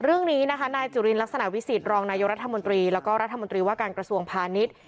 เรื่องนี้นะคะนายจุลินลักษณะวิสิตรองนายกรัฐมนตรีแล้วก็รัฐมนตรีว่าการกระทรวงพาณิชย์